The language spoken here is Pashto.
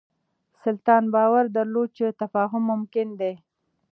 سلطان باور درلود چې تفاهم ممکن دی.